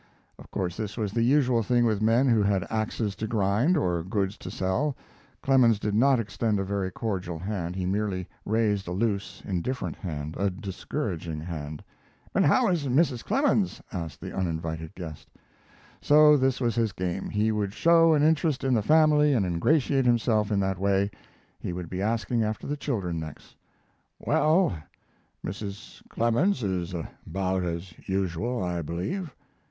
Of course this was the usual thing with men who had axes to grind or goods to sell. Clemens did not extend a very cordial hand. He merely raised a loose, indifferent hand a discouraging hand. "And how is Mrs. Clemens?" asked the uninvited guest. So this was his game. He would show an interest in the family and ingratiate himself in that way; he would be asking after the children next. "Well Mrs. Clemens is about as usual I believe."